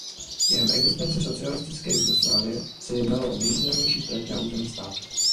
Během existence socialistické Jugoslávie se jednalo o nejvýznamnější trať na území státu.